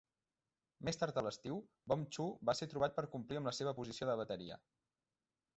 Més tard a l'estiu, Bonb-Chu va ser trobat per complir amb la seva posició de bateria.